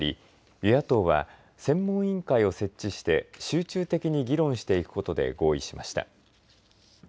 与野党は専門委員会を設置して集中的に議論していくことで合意しました。